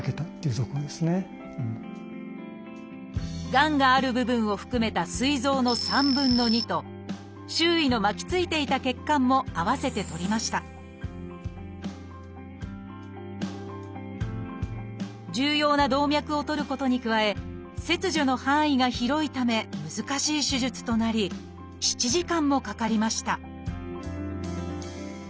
がんがある部分を含めたすい臓の３分の２と周囲の巻きついていた血管も併せて取りました重要な動脈を取ることに加え切除の範囲が広いため難しい手術となり７時間もかかりました